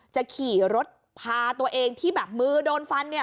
จะขี่รถพาตัวเองที่แบบมือโดนฟันเนี่ย